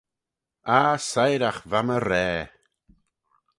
Ah siyragh va my raa!